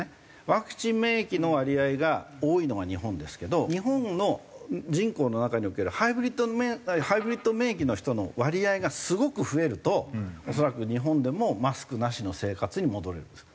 ワクチン免疫の割合が多いのが日本ですけど日本の人口の中におけるハイブリッド免疫の人の割合がすごく増えると恐らく日本でもマスクなしの生活に戻れるんです。